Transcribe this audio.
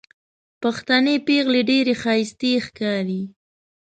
پښتنې پېغلې ډېرې ښايستې ښکاري